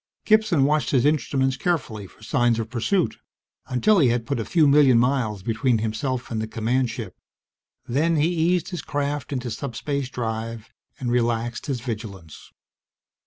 Gibson watched his instruments carefully for signs of pursuit until he had put a few million miles between himself and the command ship. Then he eased his craft into subspace drive and relaxed his vigilance.